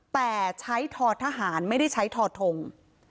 แต่ใช้ทอทหารไม่ได้ใช้ทอทง